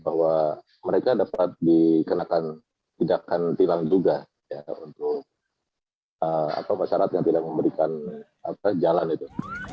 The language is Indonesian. bahwa mereka dapat dikenakan tidakkan hilang juga ya untuk apa masyarakat yang tidak memberikan jalan itu